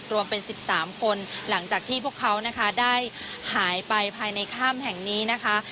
รวมเป็น๑๓คนหลังจากที่พวกเขานะคะได้หายไปภายในถ้ำแห่งนี้นะคะ